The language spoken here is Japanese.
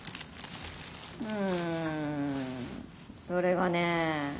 うんそれがね